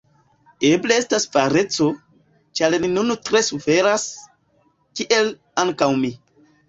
Eble estas vereco, ĉar li nun tre suferas, kiel ankaŭ mi.